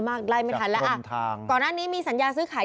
ไล่ไม่ทันแล้วอ่ะทางก่อนหน้านี้มีสัญญาซื้อขาย